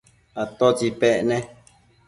¿atótsi pec ne?